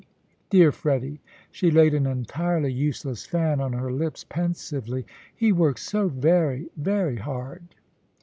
Dear Freddy," she laid an entirely useless fan on her lips, pensively, "he works so very, very hard."